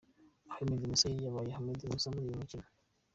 Ahmed Musa yari yabaye Ahmed Musa muri uyu mukino.